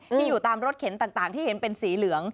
อยู่ตามรถเข็นต่างที่เห็นเป็นสีเหลือง